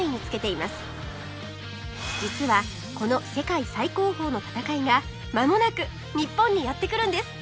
実はこの世界最高峰の戦いがまもなく日本にやって来るんです